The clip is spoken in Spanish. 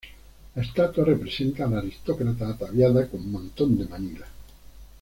La estatua representa a la aristócrata ataviada con mantón de Manila.